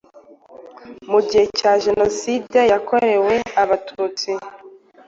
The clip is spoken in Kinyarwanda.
Mu gihe cya Jenoside yakorewe Abatutsi,